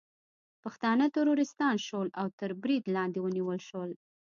پښتانه ترورستان شول او تر برید لاندې ونیول شول